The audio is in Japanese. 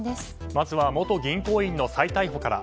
まずは元銀行員の再逮捕から。